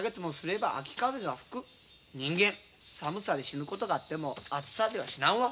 人間寒さで死ぬことがあっても暑さでは死なんわ。